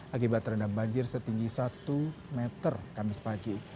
akibat terendam banjir setinggi satu meter kamis pagi